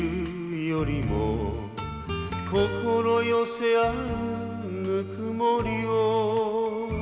「心寄せ合うぬくもりを」